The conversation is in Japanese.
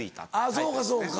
そうかそうか。